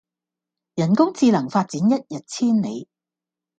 人工智能發展一日千里